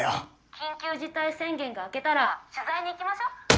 緊急事態宣言が明けたら取材に行きましょう。